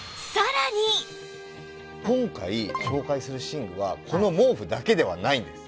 今回紹介する寝具はこの毛布だけではないんです。